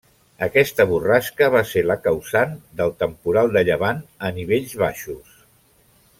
Aquesta borrasca va ser la causant del temporal de llevant a nivells baixos.